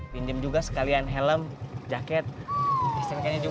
pinjem juga sekalian helm jaket dan kesterikannya juga